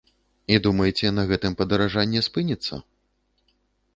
І думаеце, на гэтым падаражанне спыніцца?